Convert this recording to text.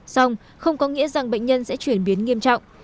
xong không có nghĩa rằng bệnh nhân sẽ chuyển biến nghiêm trọng